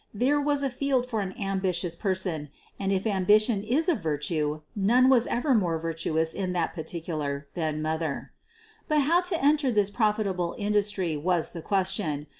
There was a field for an ambitious person, and if ambition is a virtue none was ever more virtuous in that par ticular than '' Mother.' ' But how to enter this profitable industry was the question.